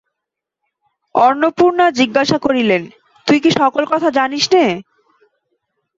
অন্নপূর্ণা জিজ্ঞাসা করিলেন, তুই কি সকল কথা জানিস নে।